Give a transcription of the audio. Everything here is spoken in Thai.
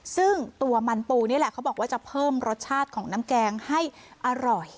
ซึ่งตัวมันปูนี่แหละเขาบอกว่าจะเพิ่มรสชาติของน้ำแกงให้อร่อย